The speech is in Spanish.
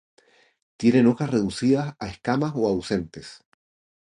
Tienen hojas reducidas a escamas o ausentes.